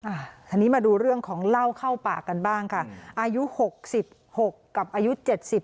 อันนี้มาดูเรื่องของเหล้าเข้าปากกันบ้างค่ะอายุหกสิบหกกับอายุเจ็ดสิบ